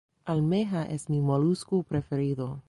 Almeja es mi molusco preferido.